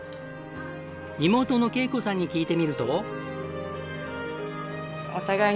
妹の啓子さんに聞いてみると。